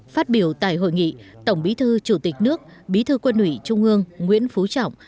phát biểu tại hội nghị tổng bí thư chủ tịch nước bí thư quân ủy trung ương nguyễn phú trọng